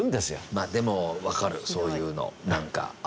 まあでもわかるそういうのなんか。